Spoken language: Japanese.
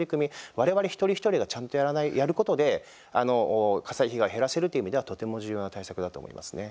我々一人一人がちゃんとやることであの、火災被害を減らせるという意味ではとても重要な対策だと思いますね。